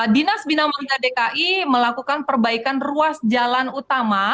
dinas bina marga dki melakukan perbaikan ruas jalan utama